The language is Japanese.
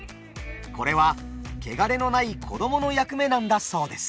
これは汚れのない子供の役目なんだそうです。